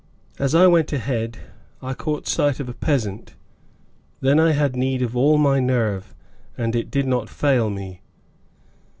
As I went ahead, I caught sight of a peasant; then I had need of all my nerve, and it did not fail me.